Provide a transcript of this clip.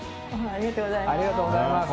ありがとうございます。